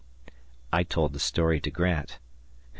I told the story to Grant.